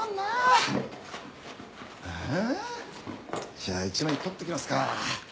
「じゃあ一枚撮っときますか」